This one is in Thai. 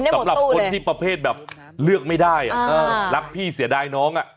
กับคนที่ประเภทเลือกไม่ได้รับพี่เสียดายน้อง